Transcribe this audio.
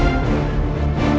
aku akan menang